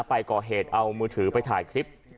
ไปก่อเหตุเอามือถือไปถ่ายคลิป